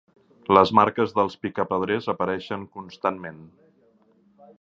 Les marques dels picapedrers apareixen constantment.